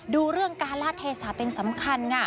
ดูเรื่องการลาดเทศะเป็นสำคัญค่ะ